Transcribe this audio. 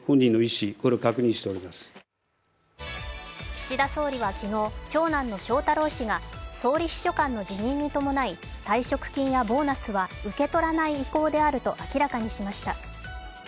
岸田総理は昨日、長男の翔太郎氏が総理秘書官の辞任に伴い退職金やボーナスは受け取らない意向であると明らかにしました。